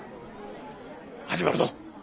始まるど！